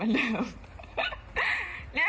แล้วน้องก็ดึงสลามออกมาเก็บใส่ขวดมาเริ่ม